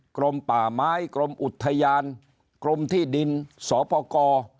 กรมป่าไม้กรมอุทยานกรมที่ดินสปกร